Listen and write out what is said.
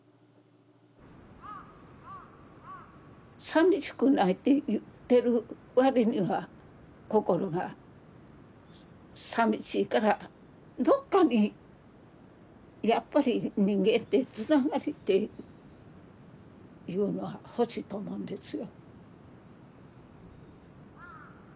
さみしくないって言ってるわりには心がさみしいからどっかにやっぱり人間ってつながりっていうもの欲しいと思うんです。